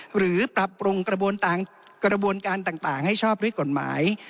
หรือปรับปรุงกระบวนการต่างให้ชอบด้วยกฎหมาย